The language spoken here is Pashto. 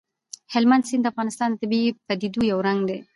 هلمند سیند د افغانستان د طبیعي پدیدو یو رنګ دی.